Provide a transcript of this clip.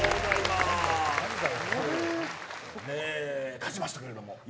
勝ちましたけれども。